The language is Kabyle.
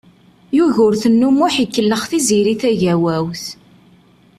Yugurten U Muḥ ikellex Tiziri Tagawawt.